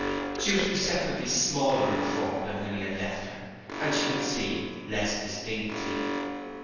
She was perceptibly smaller in form than when he had left her, and she could see less distinctly.